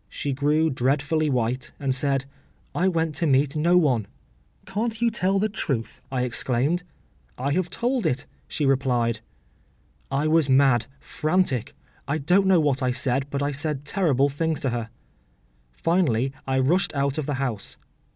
” She grew dreadfully white, and said, “I went to meet no one.”—“Can’t you tell the truth?” I exclaimed. “I have told it,” she replied. I was mad, frantic; I don’t know what I said, but I said terrible things to her. Finally I rushed out of the house.